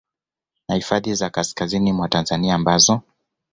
na hifadhi za kaskazi mwa Tanzania ambazo